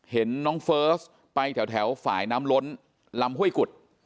เห็นน้องเฟิร์สไปแถวฝ่ายน้ำล้นลำห้วยกุด